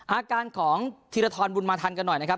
อาการของธีรทรบุญมาทันกันหน่อยนะครับ